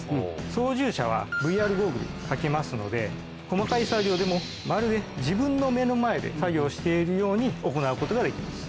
操縦者はＶＲゴーグル掛けますので細かい作業でもまるで自分の目の前で作業しているように行うことができます。